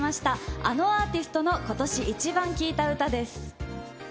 あのアーティストの今年イチバン聴いた歌です。